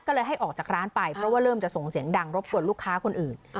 ก็เลยให้ออกจากร้านไปเพราะว่าเริ่มจะส่งเสียงดังรบกวนลูกค้าคนอื่น